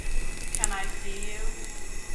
Can I see you?